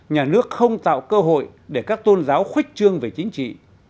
nhà nước không tạo cơ hội để các tôn giáo khuếch trương về chính trị